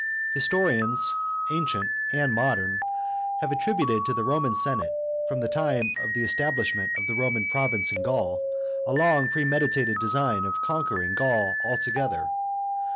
Historians, ancient and modern, have attributed to the Roman Senate, from the time of the establishment of the Roman province in Gaul, a long premeditated design of conquering Gaul altogether.